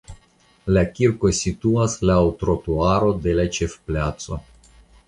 La kirko situas laŭ trotuaro de la ĉefplaco.